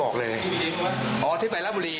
ค่ะ